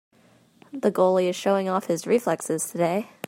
The goalie is showing off his reflexes today.